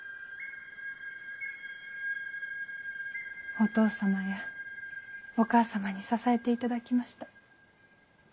・お義父様やお義母様に支えていただきました。